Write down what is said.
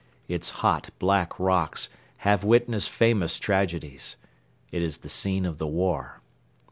Its hot, black rocks have witnessed famous tragedies. It is the scene of the war.